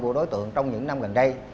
của đối tượng trong những năm gần đây